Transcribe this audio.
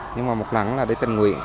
nhưng mà một lần là để tình nguyện